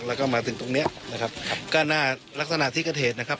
แล้วก็มาถึงตรงเนี้ยนะครับครับก็หน้าลักษณะที่เกิดเหตุนะครับ